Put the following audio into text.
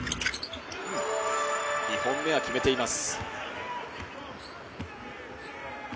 ２本目は決めています。